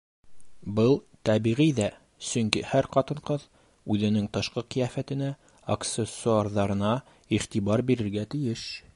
Был тәбиғи ҙә, сөнки һәр ҡатын-ҡыҙ үҙенең тышҡы ҡиәфәтенә, аксессуарҙарына иғтибар бирергә тейеш.